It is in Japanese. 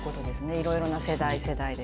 いろいろな世代世代で。